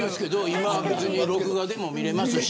今、別に録画でも見れますし。